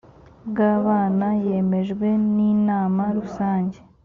bw abana yemejwe n inama rusange